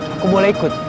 aku boleh ikut